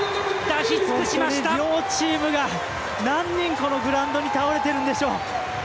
両チームが何人このグラウンドに倒れてるんでしょう。